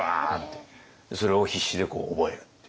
それを必死でこう覚えるっていう。